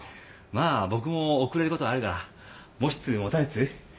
まあ僕も遅れることあるから持ちつ持たれつ？